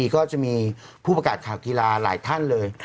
ก็จะมีผู้ประกาศข่าวกีฬาหลายท่านเลย